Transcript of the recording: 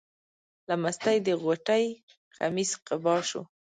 له مستۍ د غوټۍ قمیص قبا شو.